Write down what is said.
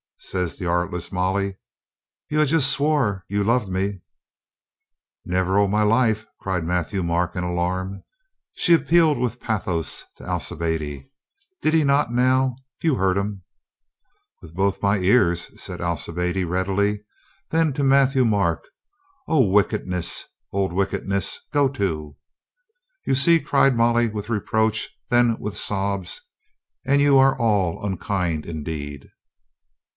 says the artless Molly. "You ha' just swore you loved me." "Never o* my life!" cried Matthieu M,arc in alarm. COLONEL STOW RESOLVES TO LAUGH 263 She appealed with pathos to Alcibiade. "Did 'e not, now? You heard him." "With both my ears," said Alcibiade readily. Then to Matthieu Marc, "O, wickedness, old wick edness, go to !" "You see!" cried Molly with reproach; then with sobs, "And you are all unkind indeed!"